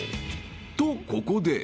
［とここで］